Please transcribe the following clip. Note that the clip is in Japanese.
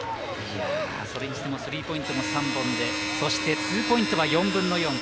それにしてもスリーポイントも３本でそしてツーポイントは４分の４。